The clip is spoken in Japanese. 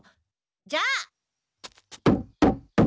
じゃあ！